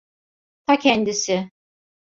Ta kendisi.